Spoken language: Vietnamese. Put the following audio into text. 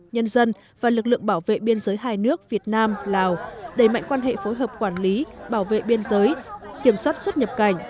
nhân dân và lực lượng bảo vệ biên giới hai nước việt nam lào đẩy mạnh quan hệ phối hợp quản lý bảo vệ biên giới kiểm soát xuất nhập cảnh